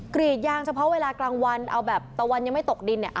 กรีดยางเฉพาะเวลากลางวันเอาแบบตะวันยังไม่ตกดินเนี่ย